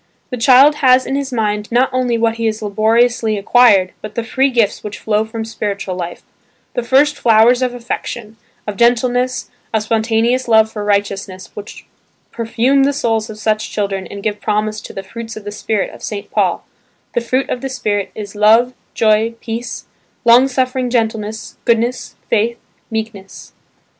The child has in his mind not only what he has laboriously acquired, but the free gifts which flow from spiritual life, the first flowers of affection, of gentleness, of spontaneous love for righteousness which perfume the souls of such children and give promise of the "fruits of the spirit" of St. Paul–"The fruit of the Spirit is love, joy, peace, long suffering gentleness, goodness, faith, meekness."